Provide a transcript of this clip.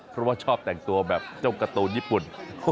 เพราะว่าชอบแต่งตัวแบบเจ้าการ์ตูนญี่ปุ่น